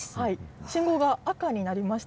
信号が赤になりました。